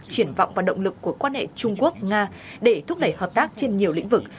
triển vọng và động lực của quan hệ trung quốc nga để thúc đẩy hợp tác trên nhiều lĩnh vực